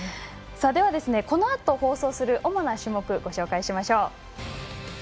では、このあと放送する主な種目ご紹介しましょう。